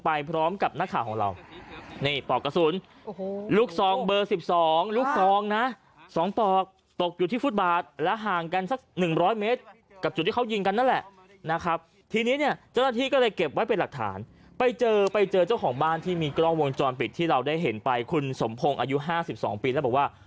ไปเจอไปเจอเจ้าของบ้านที่มีกล้องวงจรปิดที่เราได้เห็นไปคุณสมโพงอายุห้าสิบสองปีแล้วบอกว่า